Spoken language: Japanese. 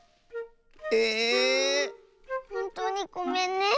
ええっ⁉ほんとうにごめんね。